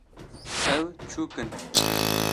Ev çûk in